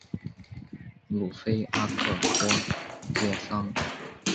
鲁菲阿克托洛桑。